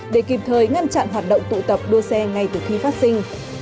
để kịp thời ngăn chặn hoạt động tụ tập đua xe ngay từ khi phát sinh